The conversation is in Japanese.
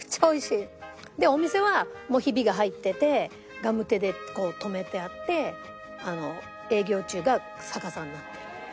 でお店はひびが入っててガムテでこう止めてあって「営業中」が逆さになってる。